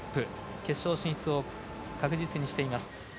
決勝進出を確実にしています。